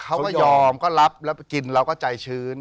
เขาก็ยอมก็รับแล้วกินเราก็ใจชื้น